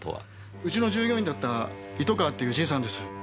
うちの従業員だった糸川っていうじいさんです。